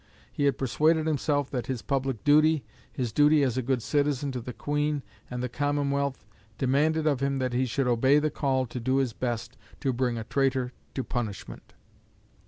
He had persuaded himself that his public duty, his duty as a good citizen to the Queen and the commonwealth, demanded of him that he should obey the call to do his best to bring a traitor to punishment.